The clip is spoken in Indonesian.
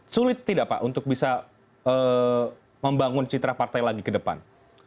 sulit tidak pak untuk bisa membangun citra partai lagi ke depan